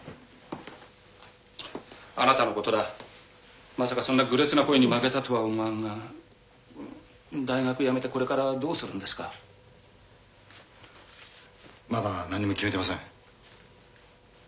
あなたのことだまさかそんな愚劣な声に負けたとは思わんが大学辞めてこれからどうするんですかまだ何にも決めてません